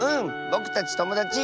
ぼくたちともだち！